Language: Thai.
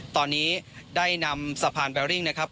ตอนนี้ได้นำสะพานแบริ่งนะครับ